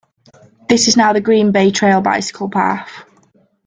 This is now the Green Bay Trail bicycle path.